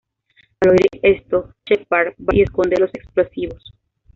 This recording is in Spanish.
Al oír esto, Sheppard va y esconde los explosivos.